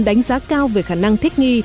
đánh giá cao về khả năng thích nghi